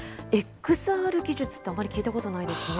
ＸＲ技術ってあまり聞いたことないですね。